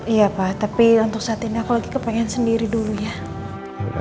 iya pak tapi untuk saat ini aku lagi kepengen sendiri dulu ya